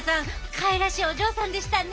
かわいらしいお嬢さんでしたね！